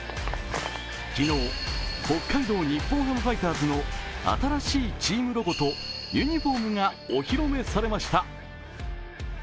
昨日北海道日本ハムファイターズの新しいチームロゴとユニフォームがお披露目されました。